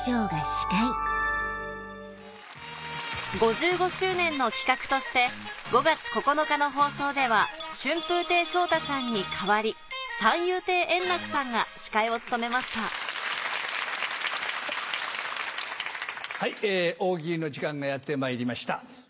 ５５周年の企画として５月９日の放送では春風亭昇太さんに代わり三遊亭円楽さんが司会を務めました「大喜利」の時間がやってまいりました。